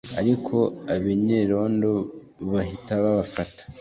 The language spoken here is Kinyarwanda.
ariko abenyerondo bahita babafata